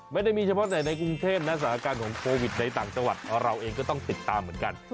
ไม่ได้มีเฉพาะแต่ในกรุงเทพนะสถานการณ์ของโควิดในต่างจังหวัดเราเองก็ต้องติดตามเหมือนกัน